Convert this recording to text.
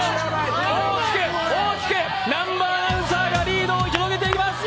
大きく、大きく南波アナウンサーがリードを広げていきます。